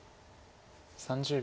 ３０秒。